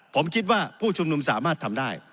ผมคิดว่าผู้ชุมนุมสามารถทำได้